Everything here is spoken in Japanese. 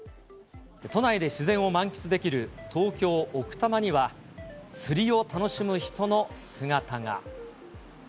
都内で自然を満喫できる東京・奥多摩には、釣りを楽しむ人の姿が。